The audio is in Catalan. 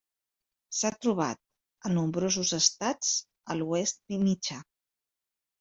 S'ha trobat a nombrosos estats a l'Oest Mitjà.